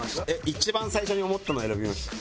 一番最初に思ったの選びました？